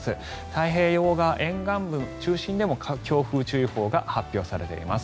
太平洋側沿岸部中心に強風注意報が発表されています。